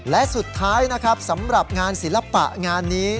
และสุดท้ายนะครับสำหรับงานศิลปะงานนี้